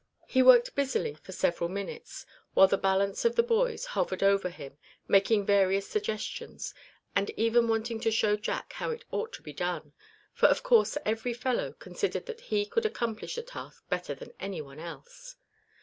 He worked busily for several minutes, while the balance of the boys hovered over him, making various suggestions, and even wanting to show Jack how it ought to be done; for of course every fellow considered that he could accomplish the task better than any one else.